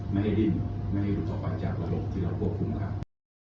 ไม่ให้ดินไม่ให้หลุดต่อไปจากอารมณ์ที่เราควบคุมครับ